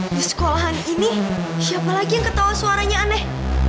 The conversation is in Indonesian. di sekolahan ini siapa lagi yang ketawa suaranya aneh